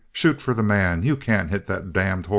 "Shoot for the man. You can't hit the damned hoss!"